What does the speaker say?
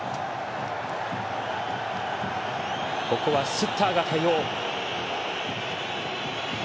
ここはスッターが対応。